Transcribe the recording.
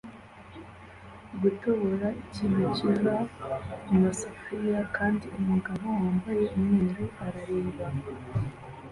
gutobora ikintu kiva mumasafuriya kandi umugabo wambaye umweru arareba